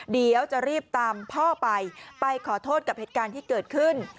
เดี๋ยวจะรีบตามพ่อไปไปขอโทษกับเหตุการณ์ที่เกิดขึ้น